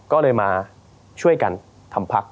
ก็เลยมาช่วยกันทำพัก